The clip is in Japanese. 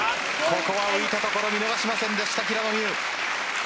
ここは浮いたところ見逃しませんでした平野美宇。